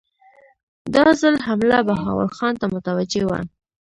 دا ځل حمله بهاول خان ته متوجه وه.